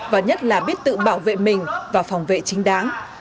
và nhất là biết tự bảo vệ mình và phòng vệ chính đáng